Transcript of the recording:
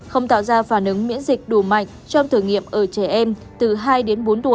không tạo ra phản ứng miễn dịch covid một mươi chín